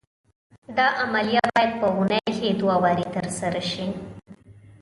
دا عملیه باید په اونۍ کې دوه وارې تر سره شي.